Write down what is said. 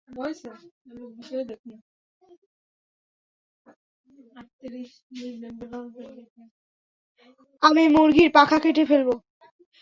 আমি মুরগির পাখা কেটে ফেলব।